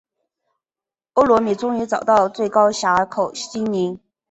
欧罗米终于找到最高隘口精灵。